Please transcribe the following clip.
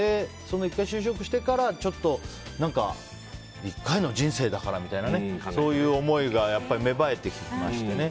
１回就職してから１回の人生だからみたいなそういう思いが芽生えてきてね。